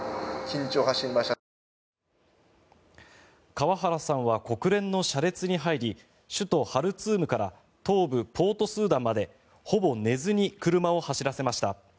川原さんは国連の車列に入り首都ハルツームから東部ポートスーダンまでほぼ寝ずに車を走らせました。